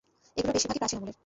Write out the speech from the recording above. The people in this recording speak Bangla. এগুলোর বেশিরভাগই প্রাচীন আমলের।